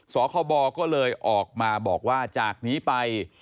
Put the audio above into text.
สคบก็เลยออกมาบอกว่าจากนี้ไป